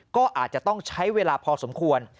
ก็อาจจะต้องใช้เวลาพอสมควร